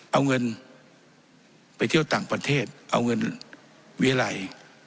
เอาเงินไปเที่ยวต่างประเทศเอาเงินวิรัย